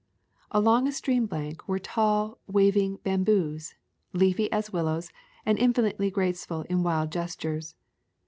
Along a stream bank were tall, waving bam boos, leafy as willows, and infinitely graceful in wind gestures.